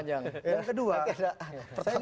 jangan terlalu panjang